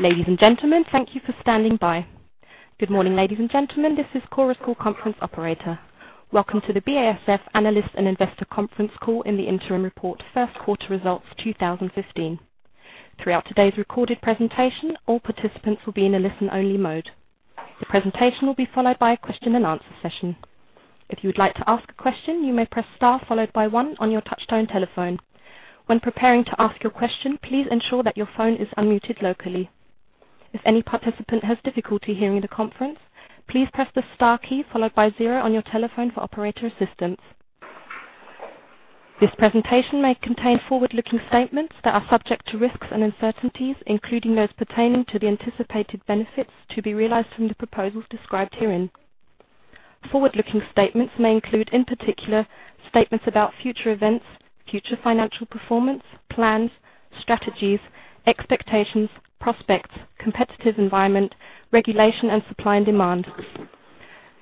Ladies and gentlemen, thank you for standing by. Good morning, ladies and gentlemen. This is Chorus Call conference operator. Welcome to the BASF Analyst and Investor Conference Call on the interim report first quarter results 2015. Throughout today's recorded presentation, all participants will be in a listen-only mode. The presentation will be followed by a question-and-answer session. If you would like to ask a question, you may press star followed by one on your touchtone telephone. When preparing to ask your question, please ensure that your phone is unmuted locally. If any participant has difficulty hearing the conference, please press the star key followed by zero on your telephone for operator assistance. This presentation may contain forward-looking statements that are subject to risks and uncertainties, including those pertaining to the anticipated benefits to be realized from the proposals described herein. Forward-looking statements may include, in particular, statements about future events, future financial performance, plans, strategies, expectations, prospects, competitive environment, regulation, and supply and demand.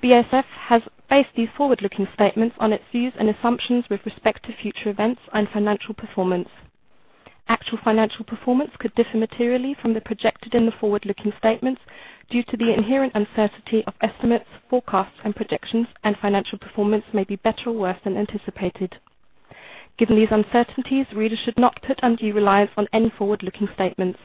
BASF has based these forward-looking statements on its views and assumptions with respect to future events and financial performance. Actual financial performance could differ materially from the projected in the forward-looking statements due to the inherent uncertainty of estimates, forecasts, and projections, and financial performance may be better or worse than anticipated. Given these uncertainties, readers should not put undue reliance on any forward-looking statements.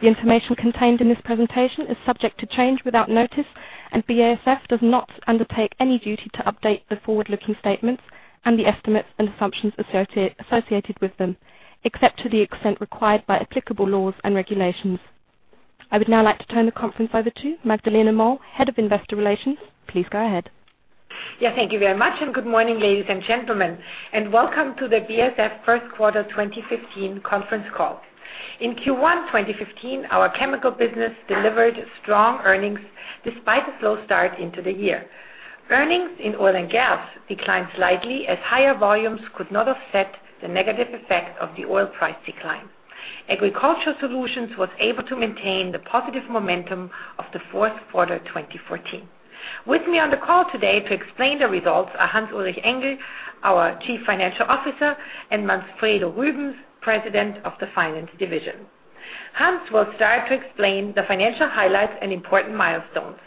The information contained in this presentation is subject to change without notice, and BASF does not undertake any duty to update the forward-looking statements and the estimates and assumptions associated with them, except to the extent required by applicable laws and regulations. I would now like to turn the conference over to Magdalena Moll, Head of Investor Relations. Please go ahead. Yeah, thank you very much, and good morning, ladies and gentlemen, and welcome to the BASF Q1 2015 Conference Call. In Q1 2015, our chemical business delivered strong earnings despite a slow start into the year. Earnings in Oil and Gas declined slightly as higher volumes could not offset the negative effect of the oil price decline. Agricultural Solutions was able to maintain the positive momentum of the fourth quarter of 2014. With me on the call today to explain the results are Hans-Ulrich Engel, our Chief Financial Officer, and Manfredo Rübens, President of the Finance Division. Hans will start to explain the financial highlights and important milestones.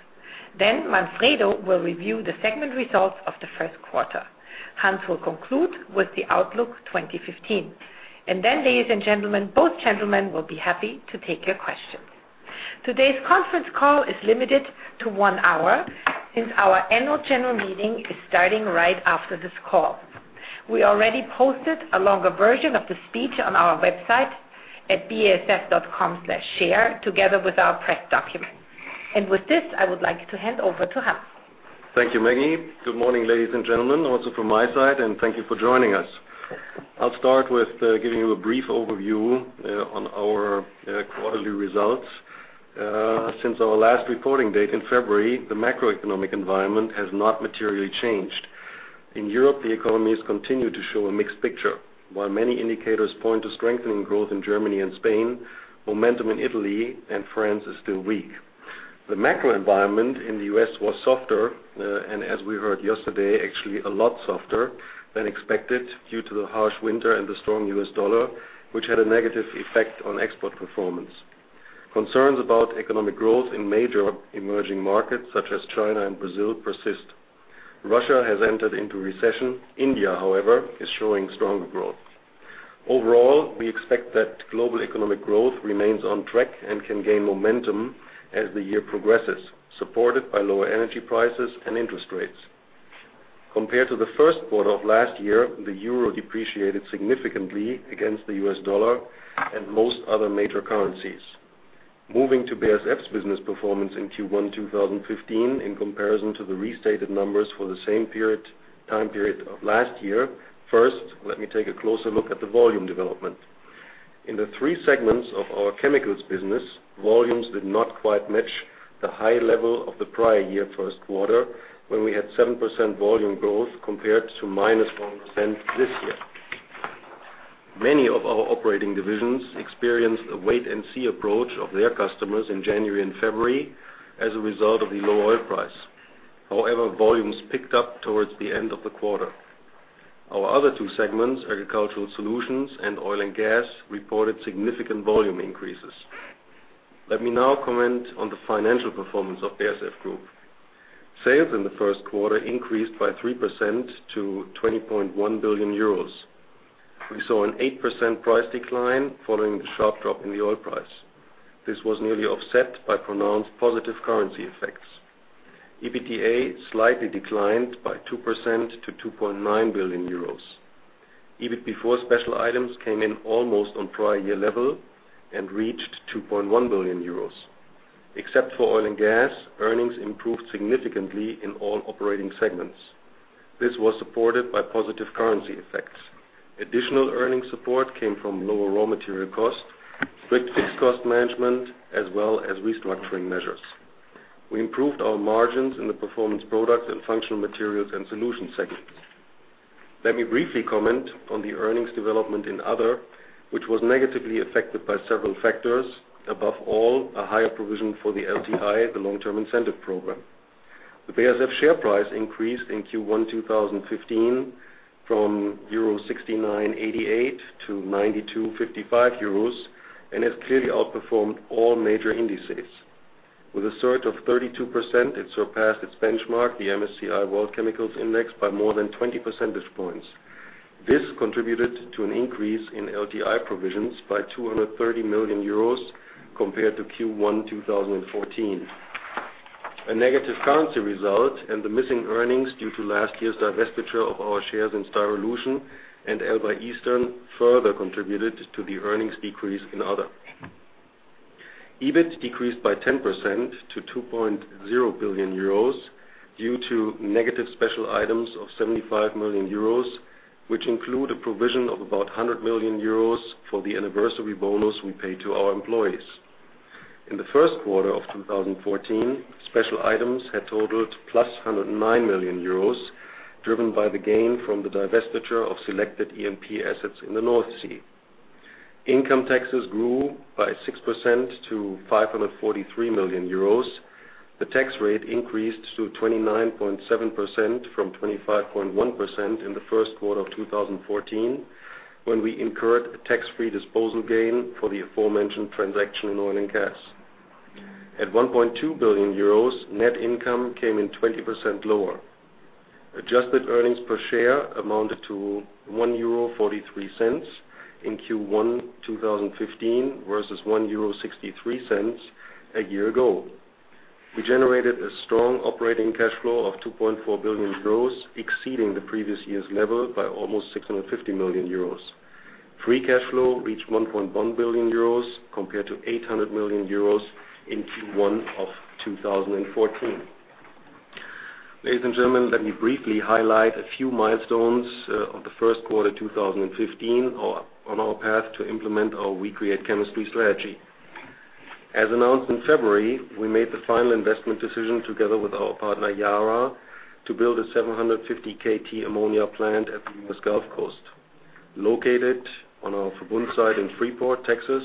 Manfredo will review the segment results of the first quarter. Hans will conclude with the outlook 2015. Ladies and gentlemen, both gentlemen will be happy to take your questions. Today's conference call is limited to one hour since our annual general meeting is starting right after this call. We already posted a longer version of the speech on our website at basf.com/share, together with our press document. With this, I would like to hand over to Hans. Thank you, Maggie. Good morning, ladies and gentlemen, also from my side, and thank you for joining us. I'll start with giving you a brief overview on our quarterly results. Since our last reporting date in February, the macroeconomic environment has not materially changed. In Europe, the economies continue to show a mixed picture. While many indicators point to strengthening growth in Germany and Spain, momentum in Italy and France is still weak. The macro environment in the U.S. was softer, and as we heard yesterday, actually a lot softer than expected due to the harsh winter and the strong U.S. dollar, which had a negative effect on export performance. Concerns about economic growth in major emerging markets such as China and Brazil persist. Russia has entered into recession. India, however, is showing stronger growth. Overall, we expect that global economic growth remains on track and can gain momentum as the year progresses, supported by lower energy prices and interest rates. Compared to the first quarter of last year, the euro depreciated significantly against the US dollar and most other major currencies. Moving to BASF's business performance in Q1 2015 in comparison to the restated numbers for the same period of last year, first, let me take a closer look at the volume development. In the three segments of our chemicals business, volumes did not quite match the high level of the prior year first quarter, when we had 7% volume growth compared to -1% this year. Many of our operating divisions experienced a wait-and-see approach of their customers in January and February as a result of the low oil price. However, volumes picked up towards the end of the quarter. Our other two segments, Agricultural Solutions and Oil and Gas, reported significant volume increases. Let me now comment on the financial performance of BASF Group. Sales in the first quarter increased by 3% to 20.1 billion euros. We saw an 8% price decline following the sharp drop in the oil price. This was nearly offset by pronounced positive currency effects. EBITDA slightly declined by 2% to 2.9 billion euros. EBIT, before special items, came in almost on prior year level and reached 2.1 billion euros. Except for oil and gas, earnings improved significantly in all operating segments. This was supported by positive currency effects. Additional earnings support came from lower raw material costs, strict fixed cost management, as well as restructuring measures. We improved our margins in the Performance Products and Functional Materials & Solutions segments. Let me briefly comment on the earnings development in other, which was negatively affected by several factors, above all, a higher provision for the LTI, the Long-Term Incentive program. The BASF share price increased in Q1 2015 from euro 69.88 to 92.55 euros, and has clearly outperformed all major indices. With a sort of 32%, it surpassed its benchmark, the MSCI World Chemicals Index, by more than 20 percentage points. This contributed to an increase in LTI provisions by 230 million euros compared to Q1 2014. A negative currency result and the missing earnings due to last year's divestiture of our shares in Styrolution and Ellba Eastern further contributed to the earnings decrease in other. EBIT decreased by 10% to 2.0 billion euros due to negative special items of 75 million euros, which include a provision of about 100 million euros for the anniversary bonus we pay to our employees. In the first quarter of 2014, special items had totaled +109 million euros, driven by the gain from the divestiture of selected E&P assets in the North Sea. Income taxes grew by 6% to 543 million euros. The tax rate increased to 29.7% from 25.1% in the first quarter of 2014, when we incurred a tax-free disposal gain for the aforementioned transaction in Oil and Gas. At 1.2 billion euros, net income came in 20% lower. Adjusted earnings per share amounted to 1.43 euro in Q1 2015 versus 1.63 euro a year ago. We generated a strong operating cash flow of 2.4 billion euros, exceeding the previous year's level by almost 650 million euros. Free cash flow reached 1.1 billion euros compared to 800 million euros in Q1 of 2014. Ladies and gentlemen, let me briefly highlight a few milestones of the first quarter 2015 on our path to implement our We Create Chemistry strategy. As announced in February, we made the final investment decision together with our partner Yara to build a 750 KT ammonia plant at the US Gulf Coast. Located on our Verbund site in Freeport, Texas,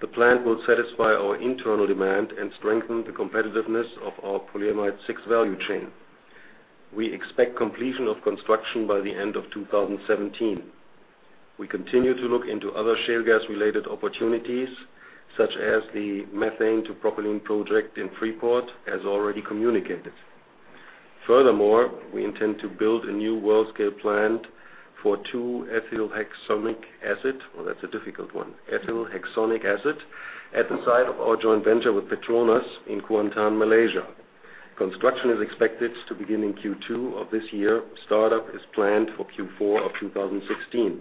the plant will satisfy our internal demand and strengthen the competitiveness of our polyamide VI value chain. We expect completion of construction by the end of 2017. We continue to look into other shale gas-related opportunities, such as the methane to propylene project in Freeport, as already communicated. Furthermore, we intend to build a new world-scale plant for 2-Ethylhexanoic Acid. Well, that's a difficult one. 2-Ethylhexanoic Acid at the site of our joint venture with Petronas in Kuantan, Malaysia. Construction is expected to begin in Q2 of this year. Startup is planned for Q4 of 2016.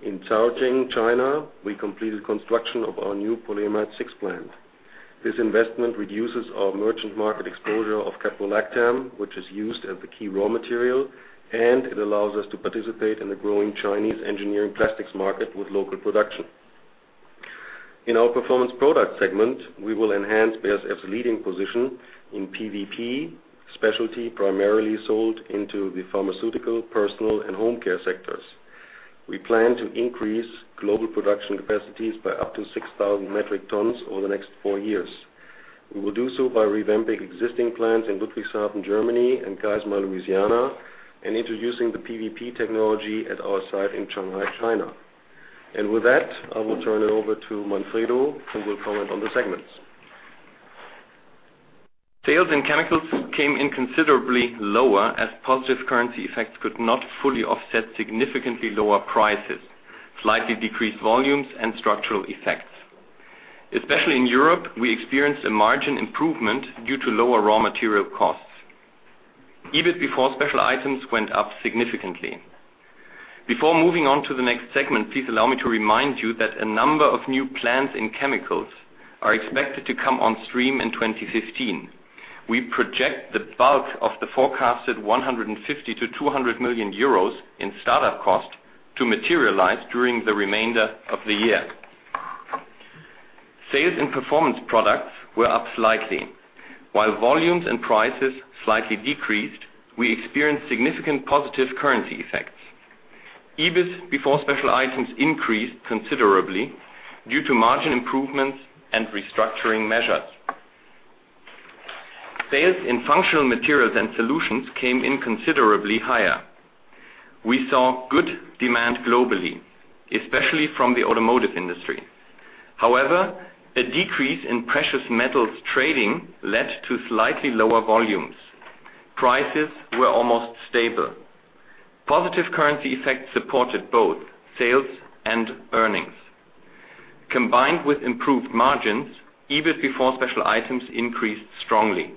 In Chongqing, China, we completed construction of our new polyamide VI plant. This investment reduces our merchant market exposure of caprolactam, which is used as the key raw material, and it allows us to participate in the growing Chinese engineering plastics market with local production. In our Performance Products segment, we will enhance BASF's leading position in PVP, specialty primarily sold into the pharmaceutical, personal, and home care sectors. We plan to increase global production capacities by up to 6,000 metric tons over the next four years. We will do so by revamping existing plants in Ludwigshafen, Germany, and Geismar, Louisiana, and introducing the PVP technology at our site in Shanghai, China. With that, I will turn it over to Manfredo, who will comment on the segments. Sales in chemicals came in considerably lower as positive currency effects could not fully offset significantly lower prices, slightly decreased volumes, and structural effects. Especially in Europe, we experienced a margin improvement due to lower raw material costs. EBIT before special items went up significantly. Before moving on to the next segment, please allow me to remind you that a number of new plants in chemicals are expected to come on stream in 2015. We project the bulk of the forecasted 150 million-200 million euros in startup costs to materialize during the remainder of the year. Sales in Performance Products were up slightly. While volumes and prices slightly decreased, we experienced significant positive currency effects. EBIT before special items increased considerably due to margin improvements and restructuring measures. Sales in Functional Materials & Solutions came in considerably higher. We saw good demand globally, especially from the automotive industry. However, a decrease in precious metals trading led to slightly lower volumes. Prices were almost stable. Positive currency effects supported both sales and earnings. Combined with improved margins, EBIT before special items increased strongly.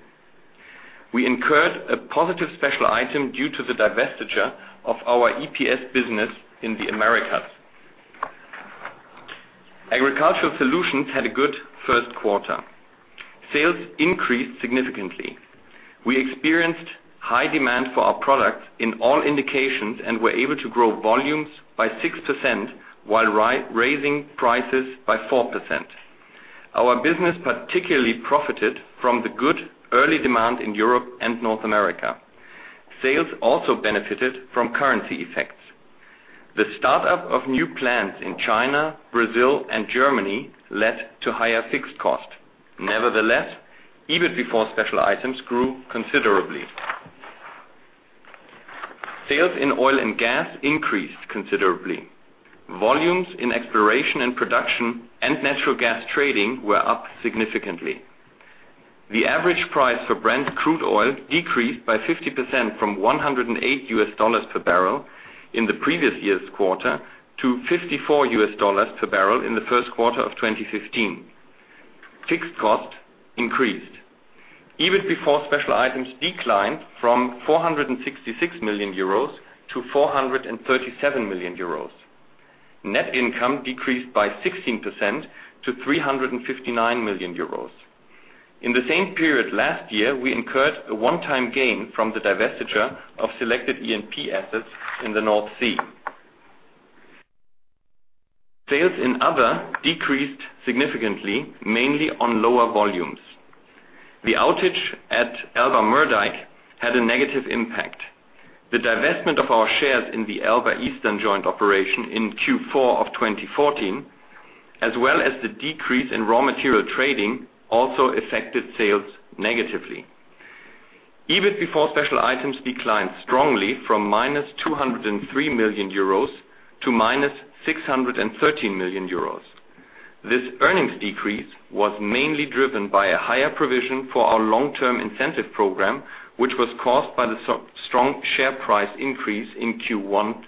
We incurred a positive special item due to the divestiture of our EPS business in the Americas. Agricultural Solutions had a good first quarter. Sales increased significantly. We experienced high demand for our products in all indications and were able to grow volumes by 6% while raising prices by 4%. Our business particularly profited from the good early demand in Europe and North America. Sales also benefited from currency effects. The startup of new plants in China, Brazil, and Germany led to higher fixed cost. Nevertheless, EBIT before special items grew considerably. Sales in Oil and Gas increased considerably. Volumes in exploration and production and natural gas trading were up significantly. The average price for Brent Crude oil decreased by 50% from $108 per barrel in the previous year's quarter to $54 per barrel in the first quarter of 2015. Fixed cost increased. EBIT before special items declined from 466 million euros to 437 million euros. Net income decreased by 16% to 359 million euros. In the same period last year, we incurred a one-time gain from the divestiture of selected E&P assets in the North Sea. Sales in Other decreased significantly, mainly on lower volumes. The outage at Ellba Moerdijk had a negative impact. The divestment of our shares in the Ellba Eastern Joint Operation in Q4 2014, as well as the decrease in raw material trading, also affected sales negatively. EBIT before special items declined strongly from -203 million euros to -613 million euros. This earnings decrease was mainly driven by a higher provision for our long-term incentive program, which was caused by the strong share price increase in Q1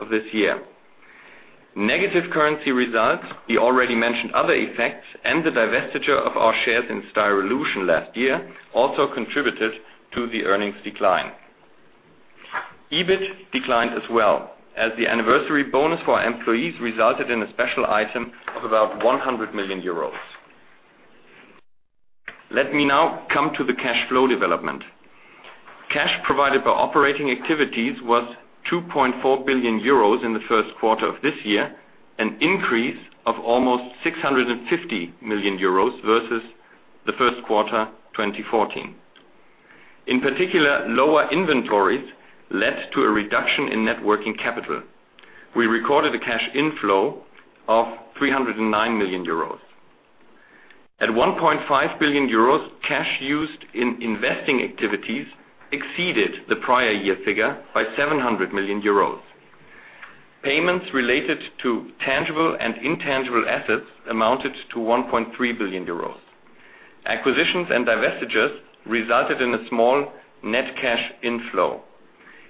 of this year. Negative currency results, the already mentioned other effects, and the divestiture of our shares in Styrolution last year also contributed to the earnings decline. EBIT declined as well, as the anniversary bonus for employees resulted in a special item of about 100 million euros. Let me now come to the cash flow development. Cash provided by operating activities was 2.4 billion euros in the first quarter of this year, an increase of almost 650 million euros versus the first quarter 2014. In particular, lower inventories led to a reduction in net working capital. We recorded a cash inflow of 309 million euros. At 1.5 billion euros, cash used in investing activities exceeded the prior year figure by 700 million euros. Payments related to tangible and intangible assets amounted to 1.3 billion euros. Acquisitions and divestitures resulted in a small net cash inflow.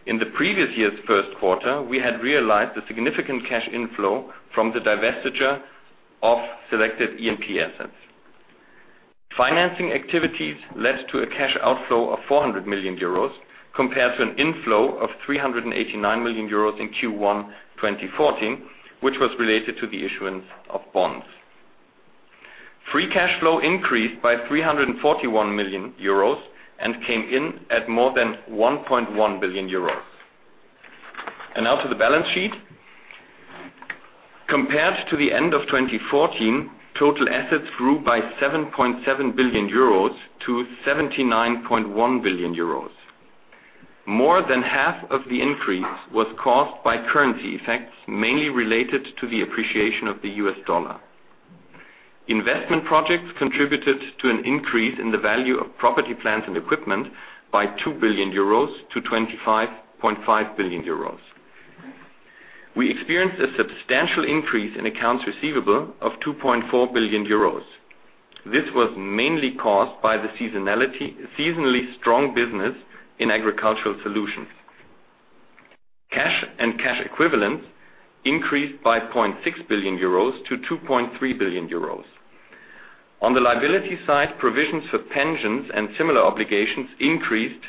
In the previous year's first quarter, we had realized a significant cash inflow from the divestiture of selected E&P assets. Financing activities led to a cash outflow of 400 million euros compared to an inflow of 389 million euros in Q1 2014, which was related to the issuance of bonds. Free cash flow increased by 341 million euros and came in at more than 1.1 billion euros. Now to the balance sheet. Compared to the end of 2014, total assets grew by 7.7 billion euros to 79.1 billion euros. More than half of the increase was caused by currency effects, mainly related to the appreciation of the US dollar. Investment projects contributed to an increase in the value of property, plants, and equipment by 2 billion euros to 25.5 billion euros. We experienced a substantial increase in accounts receivable of 2.4 billion euros. This was mainly caused by the seasonally strong business in Agricultural Solutions. Cash and cash equivalents increased by 0.6 billion euros to 2.3 billion euros. On the liability side, provisions for pensions and similar obligations increased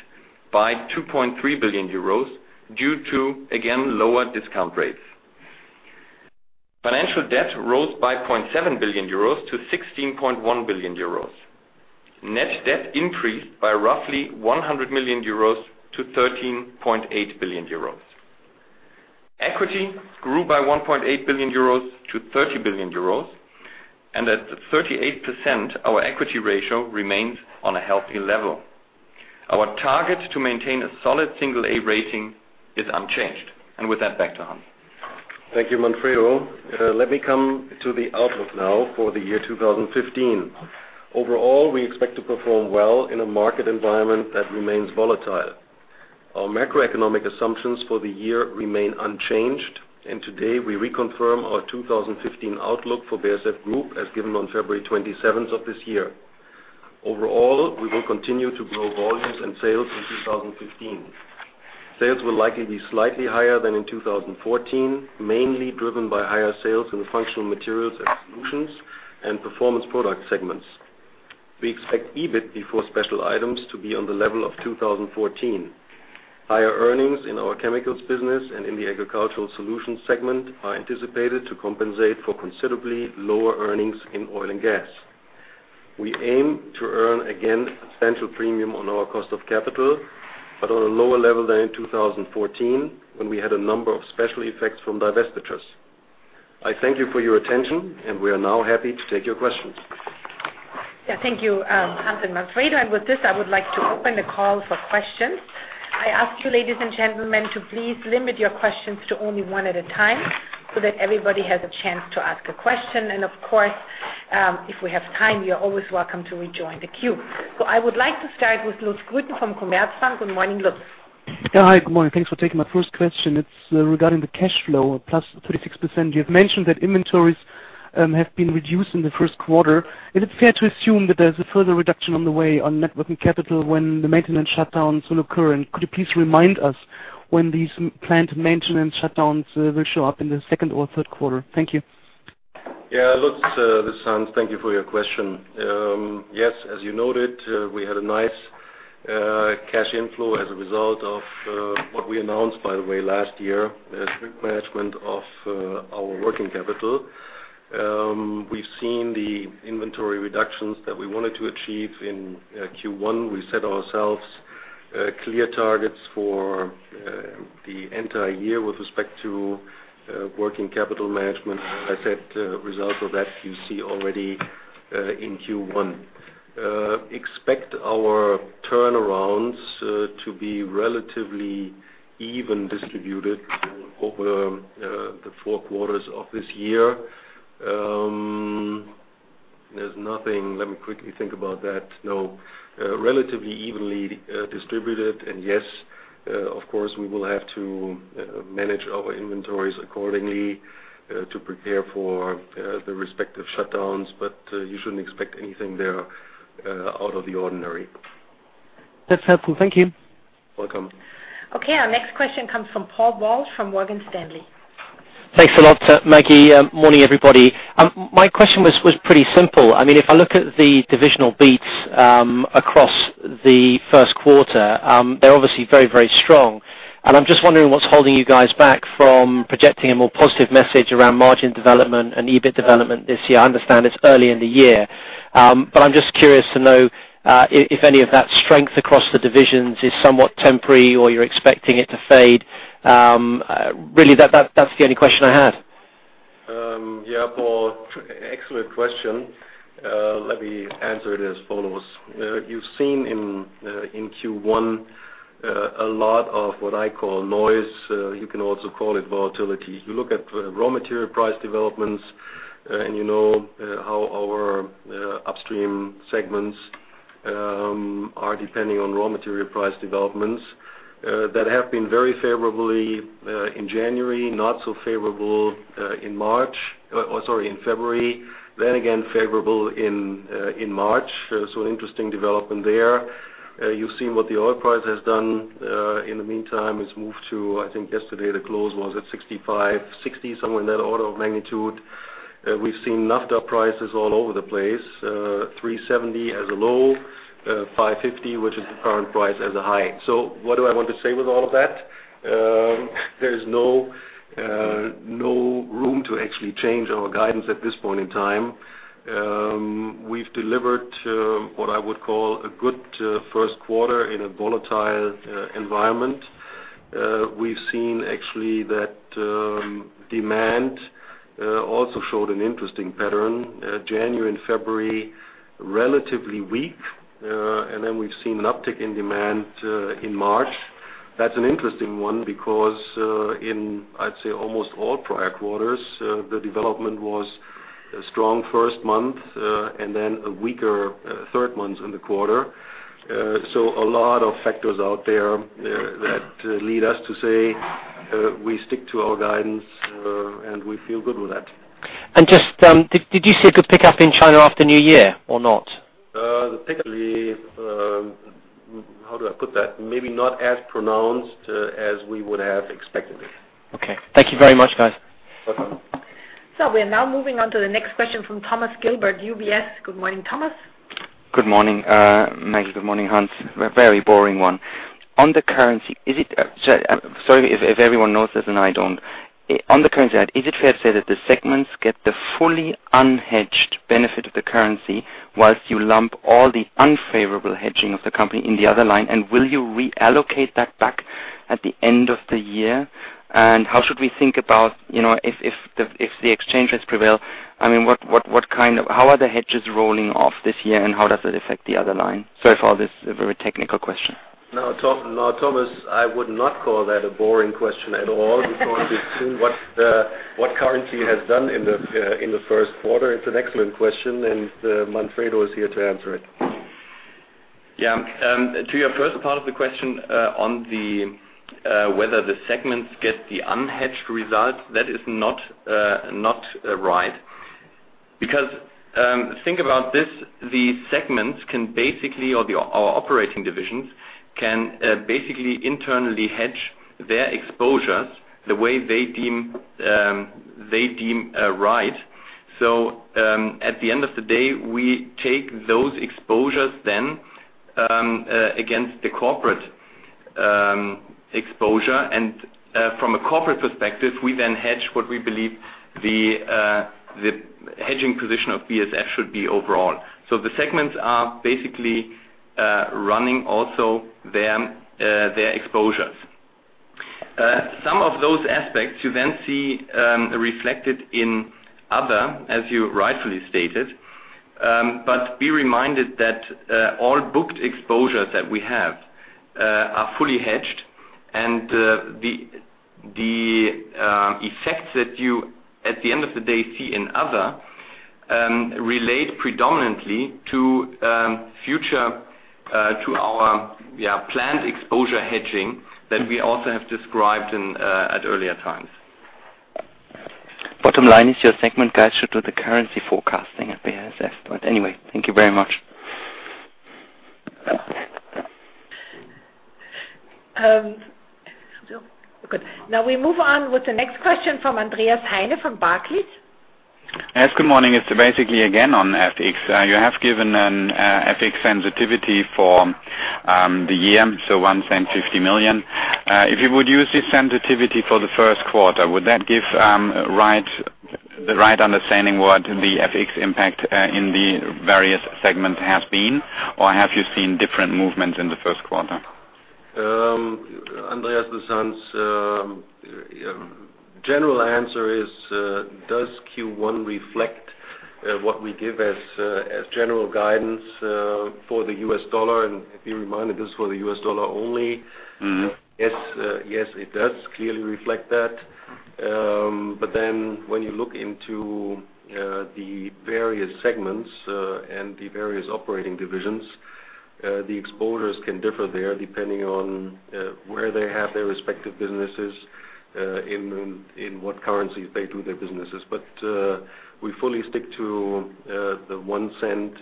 by 2.3 billion euros due to, again, lower discount rates. Financial debt rose by 0.7 billion euros to 16.1 billion euros. Net debt increased by roughly 100 million euros to 13.8 billion euros. Equity grew by 1.8 billion euros to 30 billion euros, and at 38%, our equity ratio remains on a healthy level. Our target to maintain a solid single A rating is unchanged. With that, back to Hans. Thank you, Manfredo. Let me come to the outlook now for the year 2015. Overall, we expect to perform well in a market environment that remains volatile. Our macroeconomic assumptions for the year remain unchanged, and today we reconfirm our 2015 outlook for BASF Group as given on February 27 of this year. Overall, we will continue to grow volumes and sales in 2015. Sales will likely be slightly higher than in 2014, mainly driven by higher sales in the Functional Materials & Solutions and Performance Products segments. We expect EBIT before special items to be on the level of 2014. Higher earnings in our chemicals business and in the Agricultural Solutions segment are anticipated to compensate for considerably lower earnings in Oil and Gas. We aim to earn again a central premium on our cost of capital, but on a lower level than in 2014, when we had a number of special effects from divestitures. I thank you for your attention, and we are now happy to take your questions. Yeah. Thank you, Hans and Manfredo. With this, I would like to open the call for questions. I ask you, ladies and gentlemen, to please limit your questions to only one at a time so that everybody has a chance to ask a question. Of course, if we have time, you're always welcome to rejoin the queue. I would like to start with Lutz Grüten from Commerzbank. Good morning, Lutz. Yeah. Hi, good morning. Thanks for taking my first question. It's regarding the cash flow, plus 36%. You've mentioned that inventories have been reduced in the first quarter. Is it fair to assume that there's a further reduction on the way on net working capital when the maintenance shutdowns will occur? And could you please remind us when these planned maintenance shutdowns will show up in the second or third quarter? Thank you. Yeah, Lutz, this is Hans. Thank you for your question. Yes, as you noted, we had a nice cash inflow as a result of what we announced, by the way, last year, strict management of our working capital. We've seen the inventory reductions that we wanted to achieve in Q1. We set ourselves clear targets for the entire year with respect to working capital management. As said, results of that you see already in Q1. Expect our turnarounds to be relatively evenly distributed over the four quarters of this year. Yes, of course, we will have to manage our inventories accordingly to prepare for the respective shutdowns, but you shouldn't expect anything there out of the ordinary. That's helpful. Thank you. Welcome. Okay. Our next question comes from Paul Walsh from Morgan Stanley. Thanks a lot, Maggie. Morning, everybody. My question was pretty simple. I mean, if I look at the divisional beats across the first quarter, they're obviously very, very strong. I'm just wondering what's holding you guys back from projecting a more positive message around margin development and EBIT development this year. I understand it's early in the year, but I'm just curious to know if any of that strength across the divisions is somewhat temporary or you're expecting it to fade. Really, that's the only question I have. Yeah, Paul, excellent question. Let me answer it as follows. You've seen in Q1 a lot of what I call noise. You can also call it volatility. You look at raw material price developments, and you know how our upstream segments are depending on raw material price developments that have been very favorably in January, not so favorable in March. Or, sorry, in February. Then again, favorable in March. Interesting development there. You've seen what the oil price has done in the meantime. It's moved to, I think, yesterday, the close was at $65-$60, somewhere in that order of magnitude. We've seen naphtha prices all over the place, 370 as a low, 550, which is the current price, as a high. What do I want to say with all of that? There is no room to actually change our guidance at this point in time. We've delivered what I would call a good first quarter in a volatile environment. We've seen actually that demand also showed an interesting pattern. January and February, relatively weak, and then we've seen an uptick in demand in March. That's an interesting one because in I'd say almost all prior quarters the development was a strong first month and then a weaker third month in the quarter. A lot of factors out there that lead us to say we stick to our guidance and we feel good with that. Just, did you see a good pickup in China after New Year or not? The pickup, how do I put that? Maybe not as pronounced as we would have expected it. Okay. Thank you very much, guys. Welcome. We are now moving on to the next question from Thomas Gilbert, UBS. Good morning, Thomas. Good morning, Maggie. Good morning, Hans. A very boring one. Sorry, if everyone knows this and I don't. On the currency side, is it fair to say that the segments get the fully unhedged benefit of the currency while you lump all the unfavorable hedging of the company in the other line? Will you reallocate that back at the end of the year? How should we think about, you know, if the exchanges prevail, I mean, how are the hedges rolling off this year, and how does it affect the other line? Sorry for all this very technical question? No, Thomas, I would not call that a boring question at all before we've seen what currency has done in the first quarter. It's an excellent question, and Manfredo is here to answer it. Yeah. To your first part of the question, on whether the segments get the unhedged result, that is not right. Because think about this, the segments can basically, or our operating divisions can basically internally hedge their exposures the way they deem right. At the end of the day, we take those exposures then against the corporate exposure. From a corporate perspective, we then hedge what we believe the hedging position of BASF should be overall. The segments are basically running also their exposures. Some of those aspects you then see reflected in other, as you rightfully stated. Be reminded that all booked exposures that we have are fully hedged. The effects that you at the end of the day see in other relate predominantly to future to our planned exposure hedging that we also have described in at earlier times. Bottom line is your segment guides you to the currency forecasting at BASF. Anyway, thank you very much. Good. Now we move on with the next question from Andreas Heine from Barclays. Yes, good morning. It's basically again on FX. You have given an FX sensitivity for the year, so one cent 50 million. If you would use this sensitivity for the first quarter, would that give the right understanding what the FX impact in the various segments has been? Or have you seen different movements in the first quarter? Andreas, the general answer is, does Q1 reflect what we give as general guidance for the US dollar? To be reminded, this is for the US dollar only. Mm-hmm. Yes, yes, it does clearly reflect that. When you look into the various segments and the various operating divisions, the exposures can differ there depending on where they have their respective businesses in what currencies they do their businesses. We fully stick to the 1 cent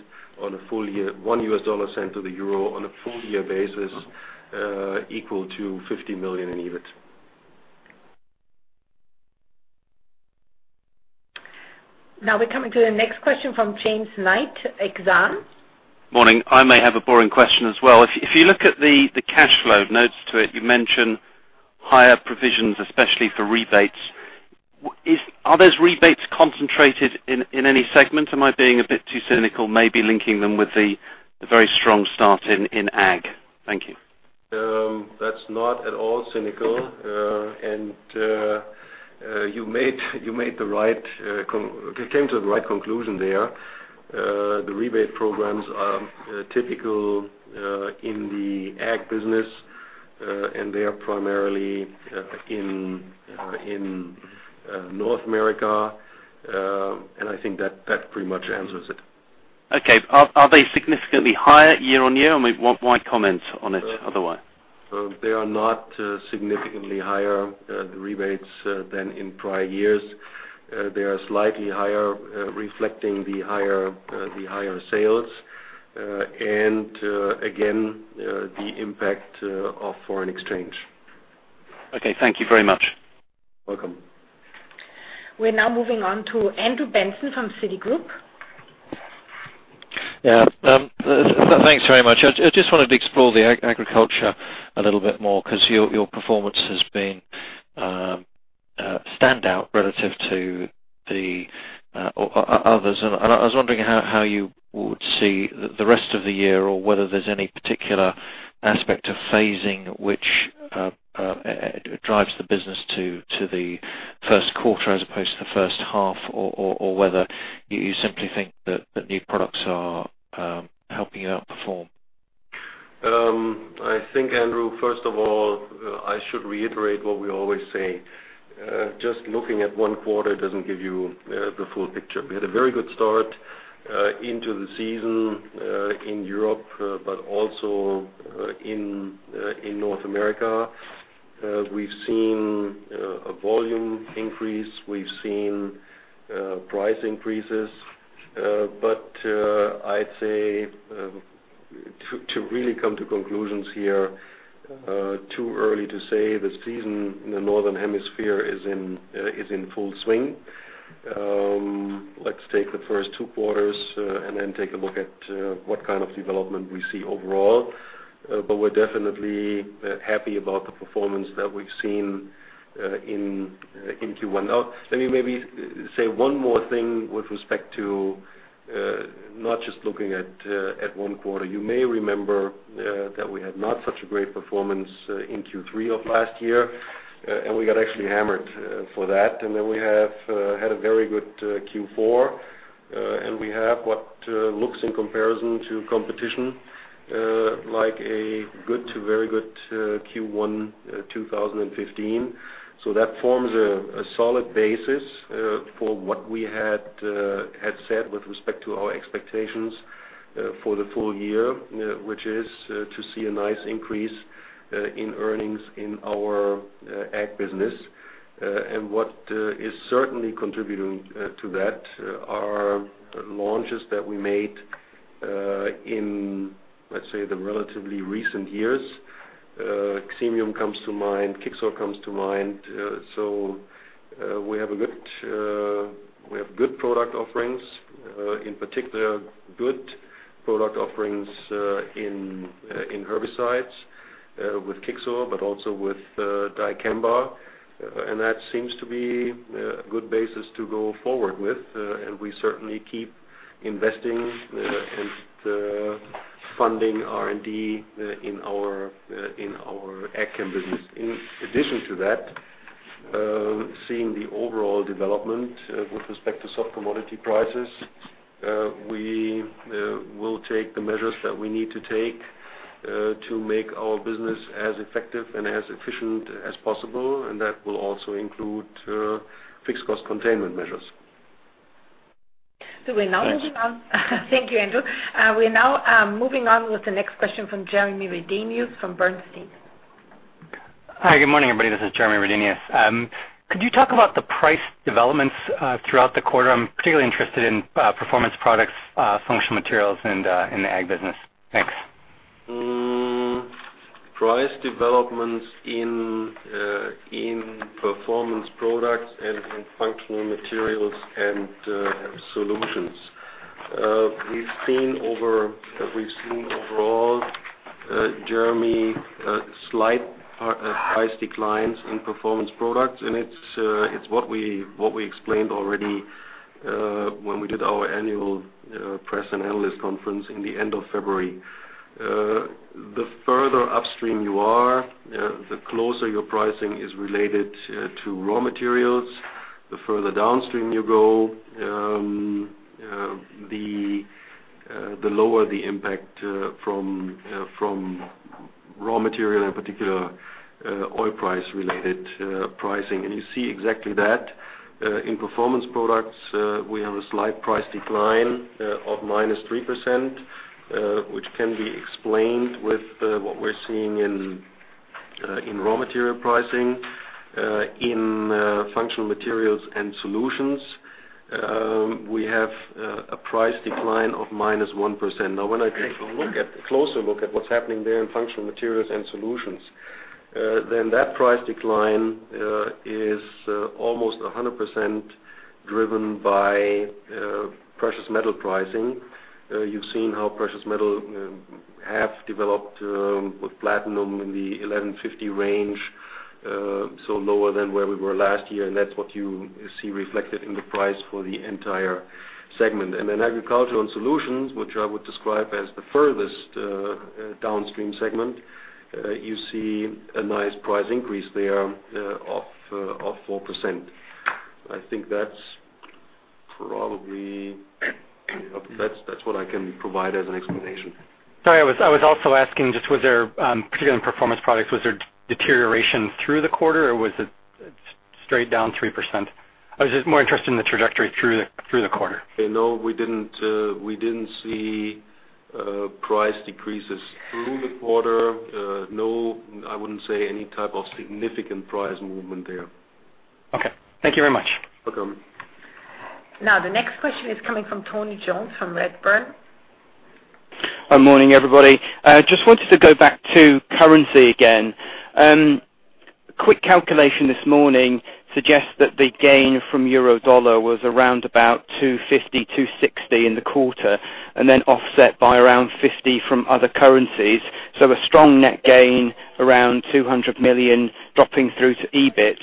on a full year, 1 US dollar cent to the euro on a full year basis, equal to 50 million in EBIT. Now we're coming to the next question from James Knight, Exane. Morning. I may have a boring question as well. If you look at the cash flow notes to it, you mention higher provisions, especially for rebates. Are those rebates concentrated in any segment? Am I being a bit too cynical, maybe linking them with the very strong start in ag? Thank you. That's not at all cynical. You came to the right conclusion there. The rebate programs are typical in the ag business, and they are primarily in North America. I think that pretty much answers it. Okay. Are they significantly higher year-on-year? I mean, why comment on it otherwise? They are not significantly higher, the rebates, than in prior years. They are slightly higher, reflecting the higher sales and again the impact of foreign exchange. Okay, thank you very much. Welcome. We're now moving on to Andrew Benson from Citigroup. Yeah, thanks very much. I just wanted to explore the agriculture a little bit more 'cause your performance has been stand out relative to the others. I was wondering how you would see the rest of the year or whether there's any particular aspect of phasing which drives the business to the first quarter as opposed to the first half or whether you simply think that new products are helping you outperform. I think, Andrew, first of all, I should reiterate what we always say. Just looking at one quarter doesn't give you the full picture. We had a very good start into the season in Europe but also in North America. We've seen a volume increase, we've seen price increases. I'd say to really come to conclusions here, too early to say the season in the northern hemisphere is in full swing. Let's take the first two quarters and then take a look at what kind of development we see overall. We're definitely happy about the performance that we've seen in Q1. Now, let me maybe say one more thing with respect to not just looking at one quarter. You may remember that we had not such a great performance in Q3 of last year and we got actually hammered for that. We have had a very good Q4 and we have what looks in comparison to competition like a good to very good Q1 2015. That forms a solid basis for what we had had said with respect to our expectations for the full year, which is to see a nice increase in earnings in our ag business. What is certainly contributing to that are launches that we made in, let's say, the relatively recent years. Xemium comes to mind, Kixor comes to mind. We have good product offerings, in particular in herbicides, with Kixor, but also with dicamba. That seems to be a good basis to go forward with, and we certainly keep investing and funding R&D in our AgChem business. In addition to that, seeing the overall development with respect to soft commodity prices, we will take the measures that we need to take to make our business as effective and as efficient as possible, and that will also include fixed cost containment measures. We're now moving on. Thank you, Andrew. We're now moving on with the next question from Jeremy Redenius from Bernstein. Hi, good morning, everybody. This is Jeremy Redenius. Could you talk about the price developments throughout the quarter? I'm particularly interested in Performance Products, functional materials, and in the ag business. Thanks. Price developments in Performance Products and in Functional Materials & Solutions. We've seen overall, Jeremy, slight price declines in Performance Products, and it's what we explained already when we did our annual press and analyst conference in the end of February. The further upstream you are, the closer your pricing is related to raw materials. The further downstream you go, the lower the impact from raw material, in particular, oil price-related pricing. You see exactly that in Performance Products. We have a slight price decline of -3%, which can be explained with what we're seeing in raw material pricing. In Functional Materials & Solutions, we have a price decline of -1%. Now when I take a closer look at what's happening there in Functional Materials & Solutions, then that price decline is almost 100% driven by precious metal pricing. You've seen how precious metal have developed with platinum in the 1,150 range, so lower than where we were last year, and that's what you see reflected in the price for the entire segment. In Agricultural Solutions, which I would describe as the furthest downstream segment, you see a nice price increase there of 4%. I think that's probably what I can provide as an explanation. Sorry, I was also asking just was there particularly in Performance Products was there deterioration through the quarter, or was it straight down 3%? I was just more interested in the trajectory through the quarter. No, we didn't see price decreases through the quarter. No, I wouldn't say any type of significant price movement there. Okay. Thank you very much. Welcome. Now, the next question is coming from Tony Jones from Redburn. Good morning, everybody. I just wanted to go back to currency again. Quick calculation this morning suggests that the gain from euro dollar was around 250-260 in the quarter, and then offset by around 50 from other currencies. A strong net gain around 200 million dropping through to EBIT.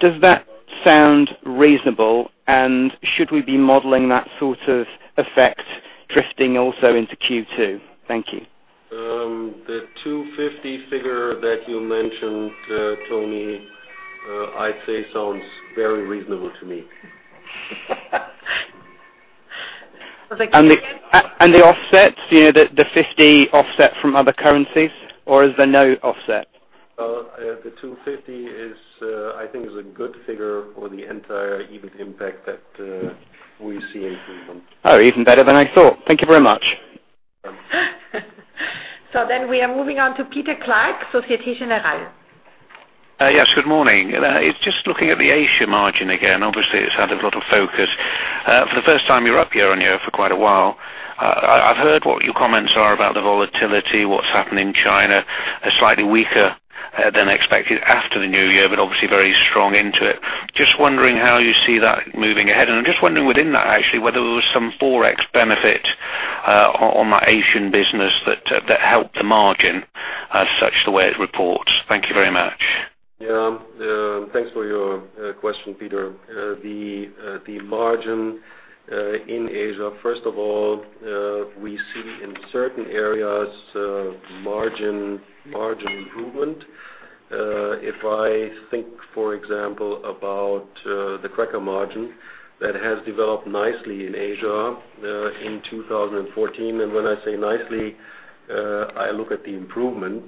Does that sound reasonable, and should we be modeling that sort of effect drifting also into Q2? Thank you. The 250 figure that you mentioned, Tony, I'd say sounds very reasonable to me. The offsets, you know, the 50 offset from other currencies, or is there no offset? Well, the 250 is, I think is a good figure for the entire EBIT impact that, we see improvement. Oh, even better than I thought. Thank you very much. Welcome. We are moving on to Peter Clarke, Société Générale. Yes, good morning. Just looking at the Asia margin again, obviously it's had a lot of focus. For the first time you're up year-on-year for quite a while. I've heard what your comments are about the volatility, what's happened in China, a slightly weaker than expected after the new year, but obviously very strong into it. Just wondering how you see that moving ahead. I'm just wondering within that actually, whether there was some Forex benefit on that Asian business that helped the margin in such a way it reports. Thank you very much. Yeah, thanks for your question, Peter. The margin in Asia, first of all, we see in certain areas, margin improvement. If I think, for example, about the cracker margin that has developed nicely in Asia, in 2014. When I say nicely, I look at the improvement.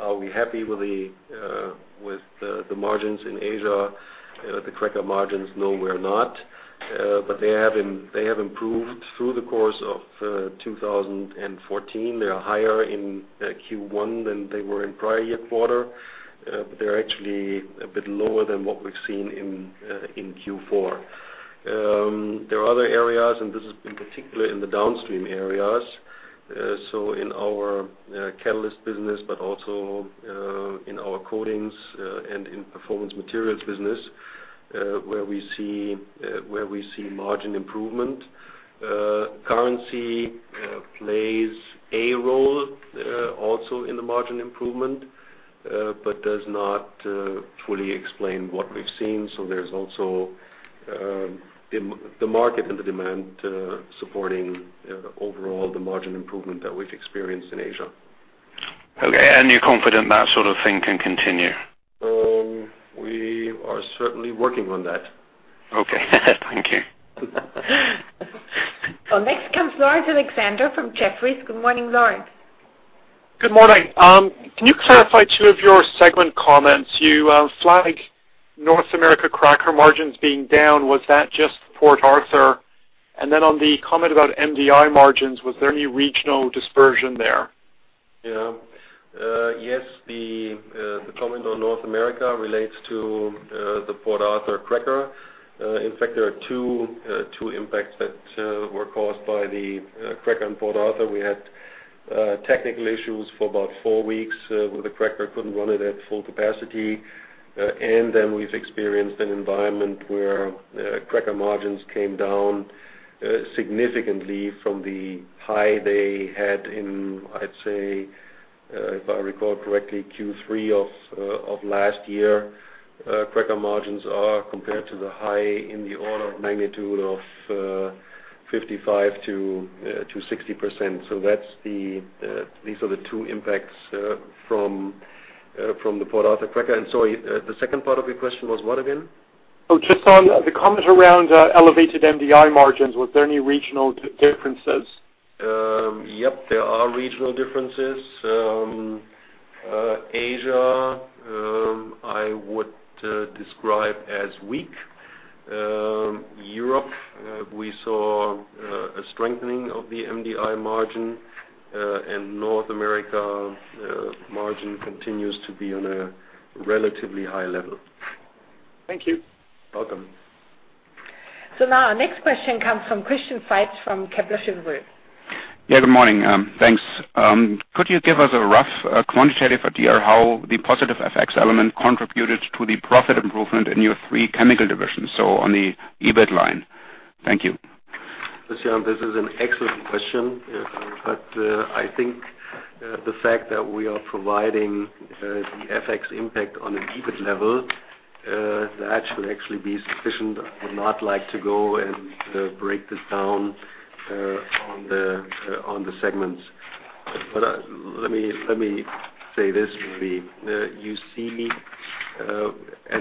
Are we happy with the margins in Asia, the cracker margins? No, we're not. They have improved through the course of 2014. They are higher in Q1 than they were in prior quarter. They're actually a bit lower than what we've seen in Q4. There are other areas, and this is in particular in the downstream areas. In our catalyst business but also in our coatings and in performance materials business, where we see margin improvement. Currency plays a role, also in the margin improvement, but does not fully explain what we've seen. There's also the market and the demand supporting overall the margin improvement that we've experienced in Asia. Okay. You're confident that sort of thing can continue? We are certainly working on that. Okay. Thank you. Next comes Laurence Alexander from Jefferies. Good morning, Laurence. Good morning. Can you clarify two of your segment comments? You flagged North America cracker margins being down. Was that just Port Arthur? On the comment about MDI margins, was there any regional dispersion there? Yes, the comment on North America relates to the Port Arthur cracker. In fact, there are two impacts that were caused by the cracker in Port Arthur. We had technical issues for about four weeks, where the cracker couldn't run it at full capacity. We've experienced an environment where cracker margins came down significantly from the high they had in, I'd say, if I recall correctly, Q3 of last year. Cracker margins compared to the high in the order of magnitude of 55%-60%. These are the two impacts from the Port Arthur cracker. Sorry, the second part of your question was what again? Oh, just on the comment around elevated MDI margins, was there any regional differences? Yep, there are regional differences. Asia, I would describe as weak. Europe, we saw a strengthening of the MDI margin, and North America, margin continues to be on a relatively high level. Thank you. Welcome. Now our next question comes from Christian Faitz from Kepler Cheuvreux. Yeah, good morning. Thanks. Could you give us a rough quantitative idea how the positive FX element contributed to the profit improvement in your three chemical divisions, so on the EBIT line? Thank you. Christian, this is an excellent question. I think the fact that we are providing the FX impact on an EBIT level that should actually be sufficient. I would not like to go and break this down on the segments. Let me say this maybe. You see,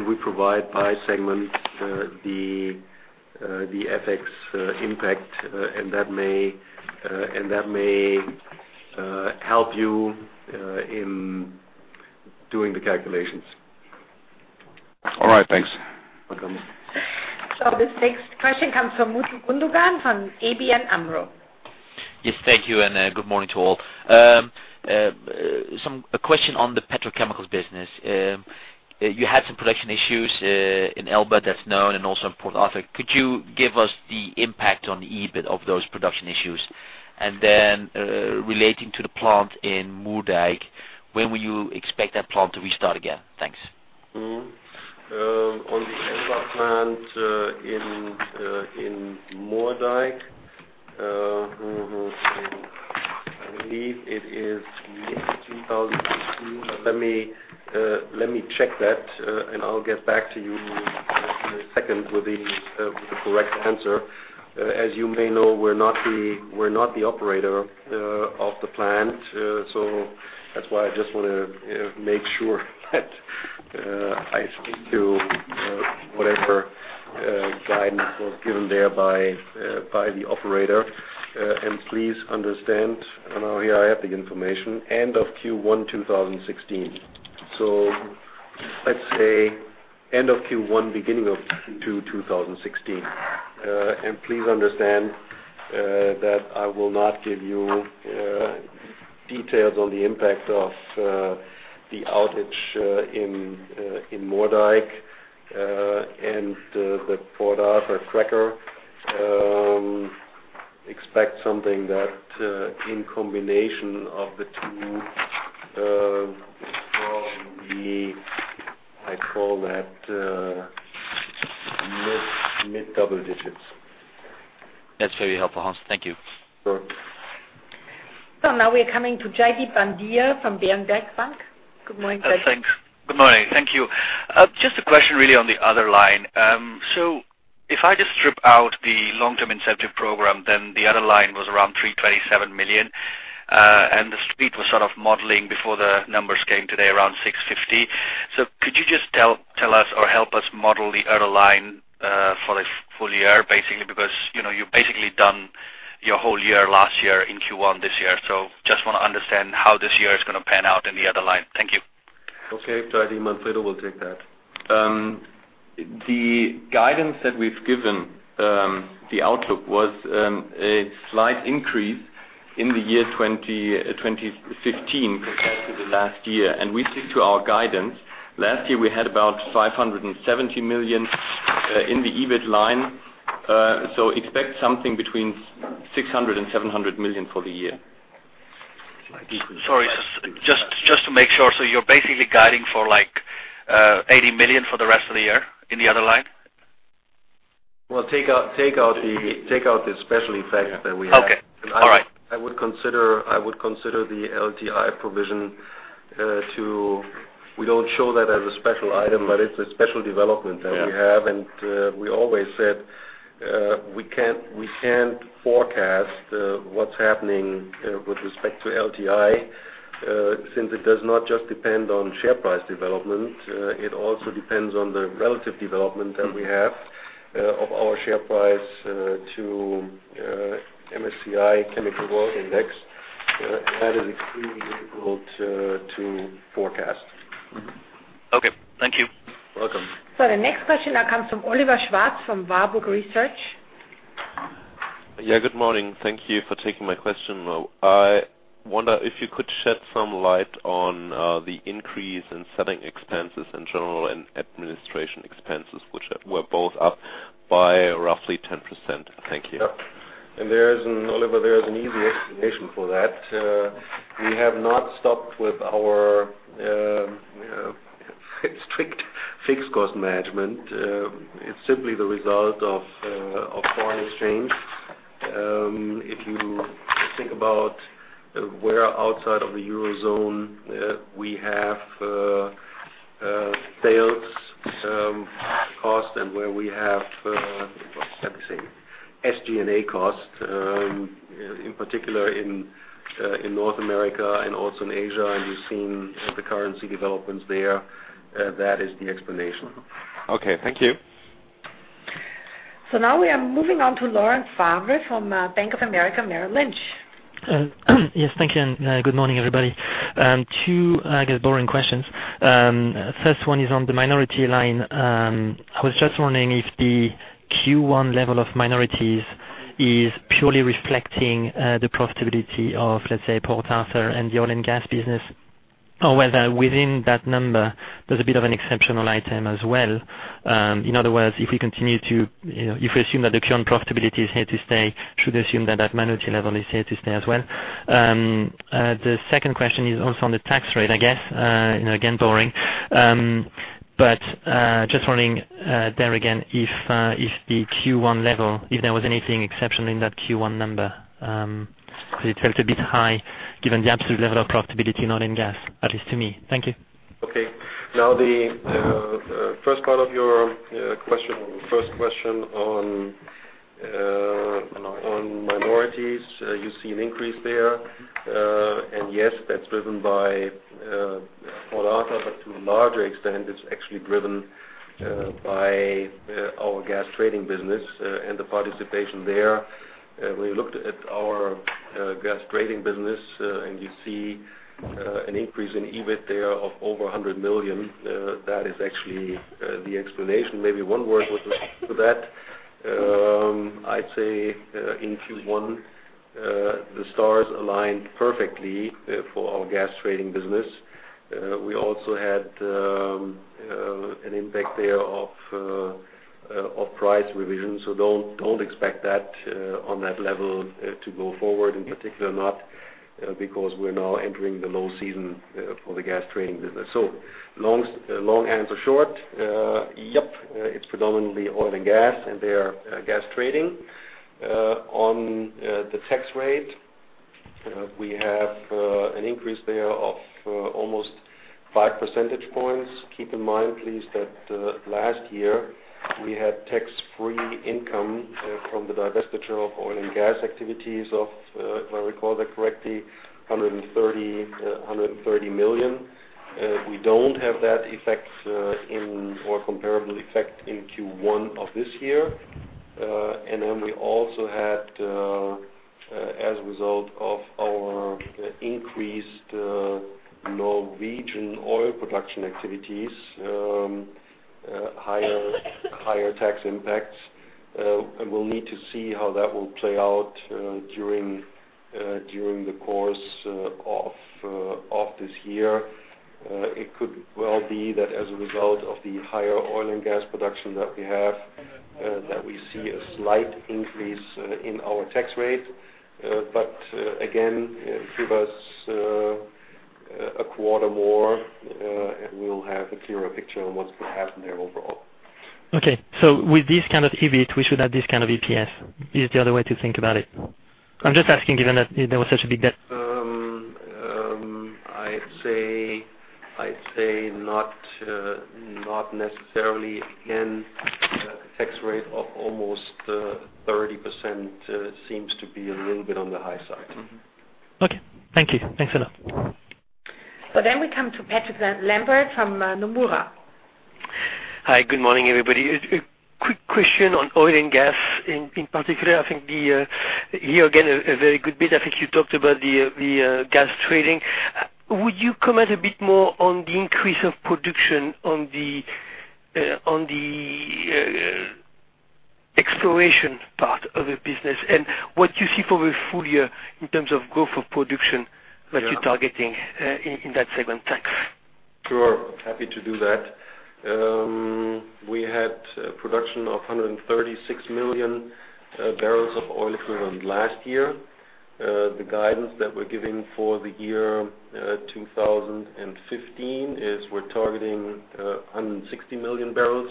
we provide by segment the FX impact, and that may help you in doing the calculations. All right. Thanks. Welcome. This next question comes from Mutlu Gündoğan from ABN AMRO. Yes, thank you and good morning to all. A question on the petrochemical business. You had some production issues in Ellba, that's known, and also in Port Arthur. Could you give us the impact on the EBIT of those production issues? Relating to the plant in Moerdijk, when will you expect that plant to restart again? Thanks. On the Ellba plant in Moerdijk, let me see. I believe it is mid-2016, but let me check that, and I'll get back to you in a second with the correct answer. As you may know, we're not the operator of the plant, so that's why I just wanna make sure that I speak to whatever guidance was given there by the operator. Please understand. Now here I have the information, end of Q1 2016. So let's say end of Q1, beginning of Q2 2016. Please understand that I will not give you details on the impact of the outage in Moerdijk and the Port Arthur cracker. Expect something that in combination of the two probably I'd call that mid double digits. That's very helpful, Hans. Thank you. Sure. now we're coming to Jaideep Pandya from Berenberg Bank. Good morning, Jaideep. Thanks. Good morning. Thank you. Just a question really on the other line. So if I just strip out the Long-Term Incentive program, then the other line was around 327 million, and the street was sort of modeling before the numbers came today around 650. Could you just tell us or help us model the other line for the full year, basically, because, you know, you've basically done your whole year last year in Q1 this year. Just wanna understand how this year is gonna pan out in the other line. Thank you. Okay. Jaideep, Manfredo will take that. The guidance that we've given, the outlook was a slight increase in the year 2015 compared to the last year, and we stick to our guidance. Last year, we had about 570 million in the EBIT line. Expect something between 600 million and 700 million for the year. Sorry, just to make sure. You're basically guiding for like, 80 million for the rest of the year in the other line? Well, take out the special effects that we have. Okay. All right. I would consider the LTI provision. We don't show that as a special item, but it's a special development that we have. Yeah. We always said we can't forecast what's happening with respect to LTI since it does not just depend on share price development. It also depends on the relative development that we have of our share price to MSCI World Chemicals Index. That is extremely difficult to forecast. Mm-hmm. Okay. Thank you. Welcome. The next question now comes from Oliver Schwarz from Warburg Research. Yeah, good morning. Thank you for taking my question. I wonder if you could shed some light on the increase in selling expenses and general and administrative expenses, which were both up by roughly 10%. Thank you. Oliver, there is an easy explanation for that. We have not stopped with our strict fixed cost management. It's simply the result of foreign exchange. If you think about where outside of the Eurozone we have sales costs and where we have, let me see, SG&A costs, in particular in North America and also in Asia, and you've seen the currency developments there, that is the explanation. Okay. Thank you. Now we are moving on to Laurent Favre from Bank of America Merrill Lynch. Yes. Thank you, and good morning, everybody. Two, I guess, boring questions. First one is on the minority line. I was just wondering if the Q1 level of minorities is purely reflecting the profitability of, let's say, Port Arthur and the oil and gas business, or whether within that number, there's a bit of an exceptional item as well. In other words, if we continue to, you know, if we assume that the current profitability is here to stay, should assume that minority level is here to stay as well. The second question is also on the tax rate, I guess, and again, boring. Just wondering there again if the Q1 level, if there was anything exceptional in that Q1 number, 'cause it felt a bit high given the absolute level of profitability in Oil and Gas, at least to me. Thank you. Okay. Now, the first part of your question, first question on minorities, you see an increase there. Yes, that's driven by Port Arthur, but to a larger extent, it's actually driven by our gas trading business and the participation there. We looked at our gas trading business and you see an increase in EBIT there of over 100 million. That is actually the explanation. Maybe one word with respect to that. I'd say in Q1 the stars aligned perfectly for our gas trading business. We also had an impact there of price revisions. Don't expect that on that level to go forward, in particular not because we're now entering the low season for the gas trading business. Long answer short, yep, it's predominantly Oil and Gas, and they are gas trading. On the tax rate, we have an increase there of almost 5 percentage points. Keep in mind, please, that last year we had tax-free income from the divestiture of Oil and Gas activities of, if I recall that correctly, 130 million. We don't have that effect or comparable effect in Q1 of this year. Then we also had, as a result of our increased Norwegian oil production activities, higher tax impacts. We'll need to see how that will play out during the course of this year. It could well be that as a result of the higher oil and gas production that we have, that we see a slight increase in our tax rate. Again, give us a quarter more, and we'll have a clearer picture on what will happen there overall. Okay. With this kind of EBIT, we should have this kind of EPS, is the other way to think about it. I'm just asking given that there was such a big debt. I'd say not necessarily. Again, a tax rate of almost 30% seems to be a little bit on the high side. Okay. Thank you. Thanks a lot. We come to Patrick Lambert from Nomura. Hi, good morning, everybody. A quick question on Oil and Gas. In particular, I think you talked about the gas trading. Would you comment a bit more on the increase of production on the exploration part of the business and what you see for the full year in terms of growth of production that you're targeting in that segment? Thanks. Sure, happy to do that. We had production of 136 million barrels of oil equivalent last year. The guidance that we're giving for the year 2015 is we're targeting 160 million barrels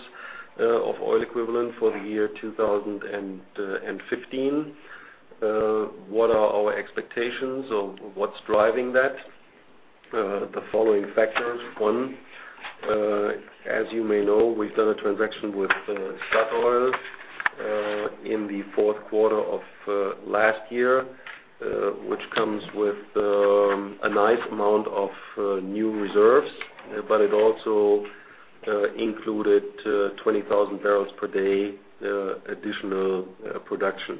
of oil equivalent for the year 2015. What are our expectations of what's driving that? The following factors. 1, as you may know, we've done a transaction with Statoil in the fourth quarter of last year, which comes with a nice amount of new reserves, but it also included 20,000 barrels per day additional production.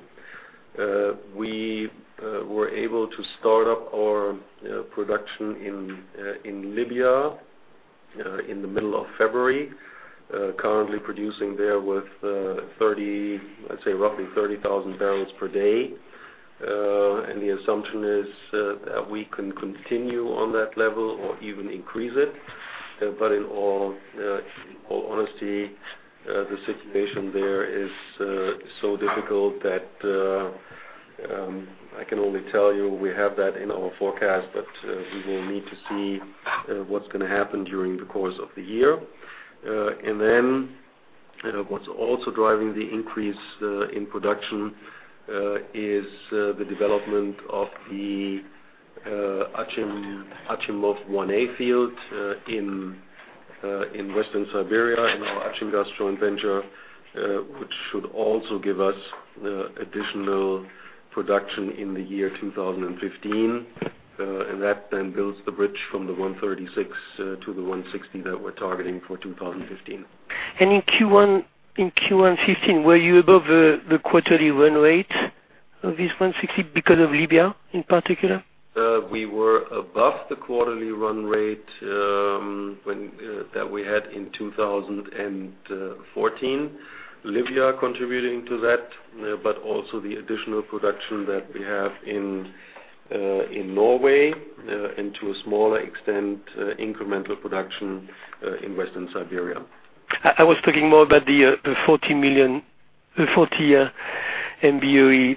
We were able to start up our production in Libya in the middle of February, currently producing there with roughly 30,000 barrels per day. The assumption is that we can continue on that level or even increase it. In all honesty, the situation there is so difficult that I can only tell you we have that in our forecast, but we will need to see what's gonna happen during the course of the year. you know, what's also driving the increase in production is the development of the Achimov 1A field in Western Siberia in our Achimgaz joint venture, which should also give us additional production in the year 2015. That builds the bridge from the 136 to the 160 that we're targeting for 2015. In Q1 2015, were you above the quarterly run rate of this 160 because of Libya in particular? We were above the quarterly run rate than that we had in 2014. Libya contributing to that, but also the additional production that we have in Norway, and to a smaller extent, incremental production in Western Siberia. I was talking more about the 40 MBOE.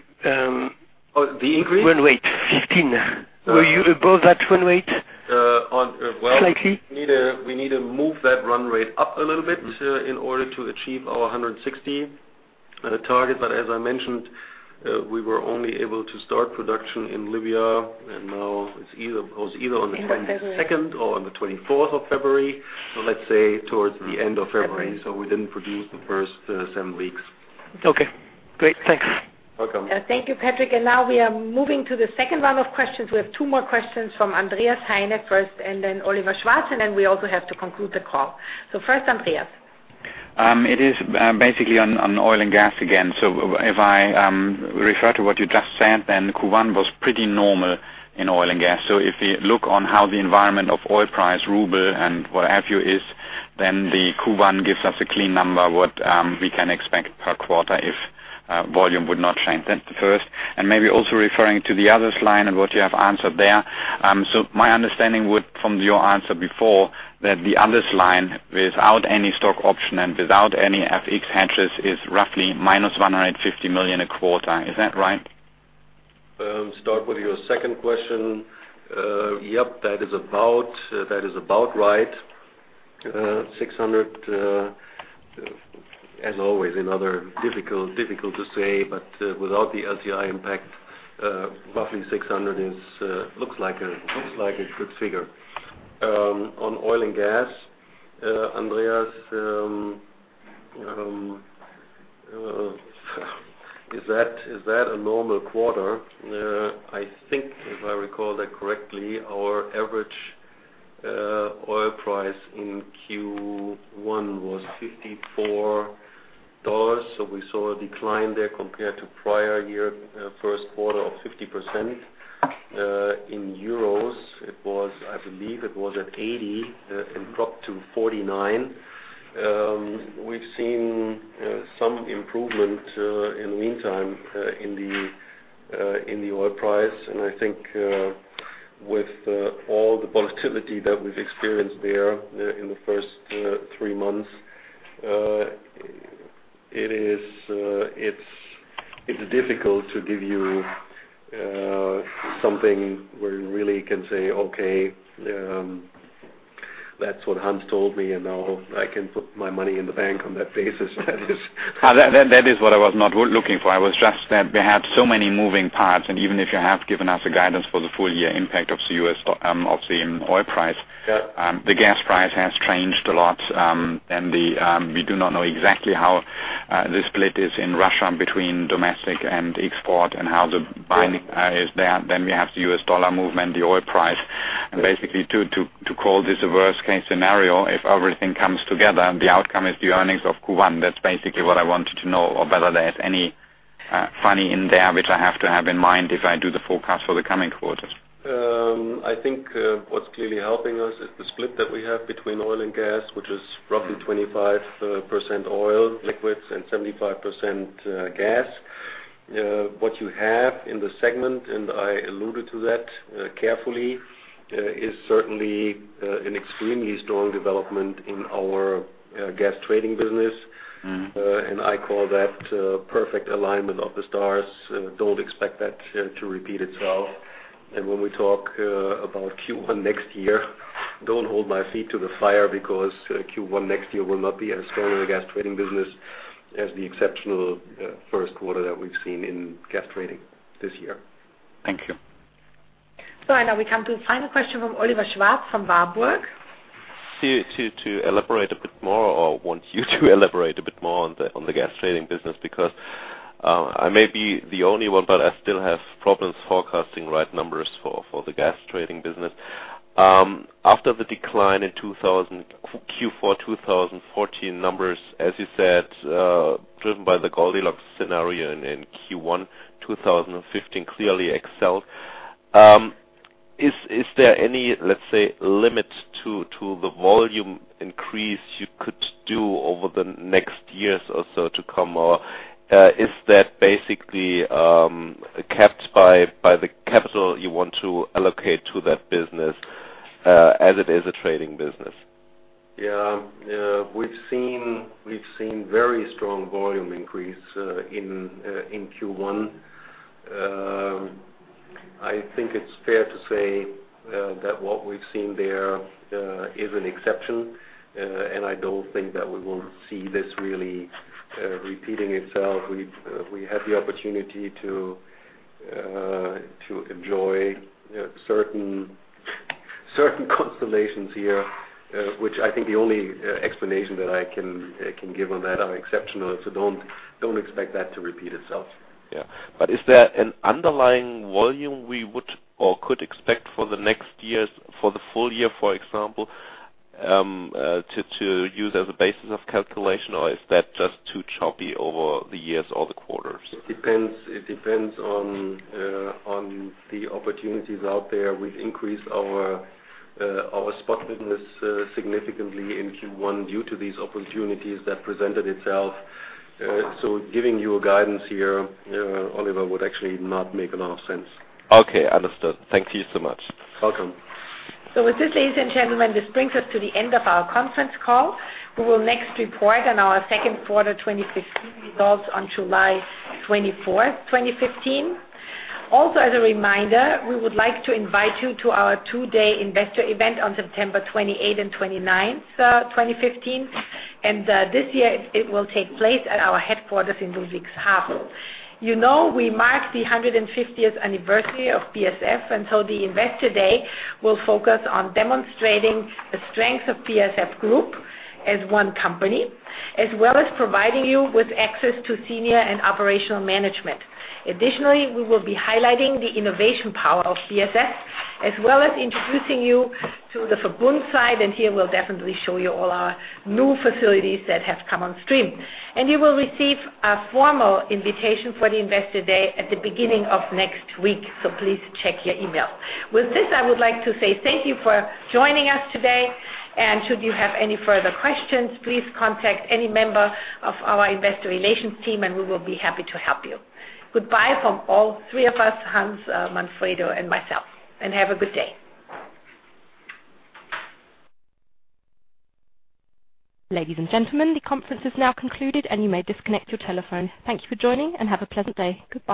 Oh, the increase? Run rate 15. Were you above that run rate? Uh, on, well- Slightly? We need to move that run rate up a little bit. Mm-hmm. In order to achieve our 160 target. As I mentioned, we were only able to start production in Libya, and now it was either on the- End of February. Twenty-second or on the twenty-fourth of February. Let's say towards the end of February. February. We didn't produce the first seven weeks. Okay, great. Thanks. Welcome. Thank you, Patrick. Now we are moving to the second round of questions. We have two more questions from Andreas Heine first and then Oliver Schwarz, and then we also have to conclude the call. First, Andreas. It is basically on Oil and Gas again. If I refer to what you just said, then Q1 was pretty normal in Oil and Gas. If you look at how the environment of oil price, ruble and what have you is, then the Q1 gives us a clean number what we can expect per quarter if volume would not change. That's the first. Maybe also referring to the others line and what you have answered there. My understanding would, from your answer before, that the others line without any stock option and without any FX hedges is roughly -150 million a quarter. Is that right? Yep, that is about right. As always, another difficult to say, but without the LTI impact, roughly 600 looks like a good figure. On Oil and Gas, Andreas, is that a normal quarter? I think if I recall that correctly, our average oil price in Q1 was $54, so we saw a decline there compared to prior year first quarter of 50%. In euros, it was, I believe, at 80 and dropped to 49. We've seen some improvement in the meantime in the oil price, and I think with all the volatility that we've experienced there in the first three months, it's difficult to give you something where you really can say, "Okay, that's what Hans told me, and now I can put my money in the bank on that basis." That is That is what I was not looking for. I was just that we have so many moving parts, and even if you have given us a guidance for the full year impact of the oil price- Yeah. The gas price has changed a lot, and we do not know exactly how the split is in Russia between domestic and export and how the binding is there. We have the U.S. dollar movement, the oil price. Basically to call this a worst case scenario, if everything comes together, the outcome is the earnings of Q1. That's basically what I wanted to know, or whether there's any funny in there which I have to have in mind if I do the forecast for the coming quarters. I think what's clearly helping us is the split that we have between Oil and Gas, which is roughly 25% oil liquids and 75% gas. What you have in the segment, and I alluded to that carefully, is certainly an extremely strong development in our gas trading business. Mm-hmm. I call that perfect alignment of the stars. Don't expect that to repeat itself. When we talk about Q1 next year, don't hold my feet to the fire because Q1 next year will not be as strong in the gas trading business as the exceptional first quarter that we've seen in gas trading this year. Thank you. Right now we come to the final question from Oliver Schwarz from Warburg. I want you to elaborate a bit more on the gas trading business because I may be the only one, but I still have problems forecasting right numbers for the gas trading business. After the decline in Q4 2014 numbers, as you said, driven by the Goldilocks scenario in Q1 2015 clearly excelled. Is there any, let's say, limit to the volume increase you could do over the next years or so to come? Is that basically capped by the capital you want to allocate to that business, as it is a trading business? Yeah. We've seen very strong volume increase in Q1. I think it's fair to say that what we've seen there is an exception. I don't think that we will see this really repeating itself. We've had the opportunity to enjoy certain constellations here, which I think the only explanation that I can give on that are exceptional, so don't expect that to repeat itself. Is there an underlying volume we would or could expect for the next years, for the full year, for example, to use as a basis of calculation, or is that just too choppy over the years or the quarters? It depends. It depends on the opportunities out there. We've increased our spot business significantly in Q1 due to these opportunities that presented itself. Giving you a guidance here, Oliver, would actually not make a lot of sense. Okay. Understood. Thank you so much. Welcome. With this, ladies and gentlemen, this brings us to the end of our conference call. We will next report on our second quarter 2015 results on July 24, 2015. Also, as a reminder, we would like to invite you to our two-day investor event on September 28 and 29, 2015. This year it will take place at our headquarters in Ludwigshafen. You know we mark the 150th anniversary of BASF, and so the investor day will focus on demonstrating the strength of BASF Group as one company, as well as providing you with access to senior and operational management. Additionally, we will be highlighting the innovation power of BASF, as well as introducing you to the Verbund site, and here we'll definitely show you all our new facilities that have come on stream. You will receive a formal invitation for the investor day at the beginning of next week, so please check your email. With this, I would like to say thank you for joining us today. Should you have any further questions, please contact any member of our investor relations team, and we will be happy to help you. Goodbye from all three of us, Hans, Manfredo, and myself. Have a good day. Ladies and gentlemen, the conference is now concluded and you may disconnect your telephone. Thank you for joining and have a pleasant day. Goodbye.